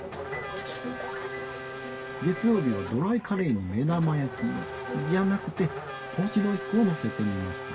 月曜日はドライカレーに目玉焼きじゃなくてポーチドエッグをのせてみました。